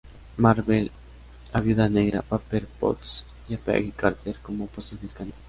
Marvel, a Viuda Negra, Pepper Potts o Peggy Carter como posibles candidatas.